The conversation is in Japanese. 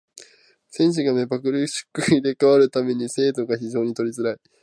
運手が目まぐるしく入れ替わる為に精度が非常に取りづらい。